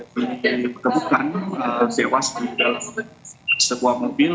dikepukan dewas di dalam sebuah mobil